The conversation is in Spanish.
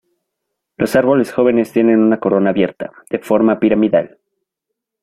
Los árboles jóvenes tienen una corona abierta, de forma piramidal.